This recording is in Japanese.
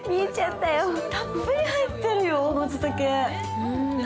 たっぷり入ってるよ、まつたけ。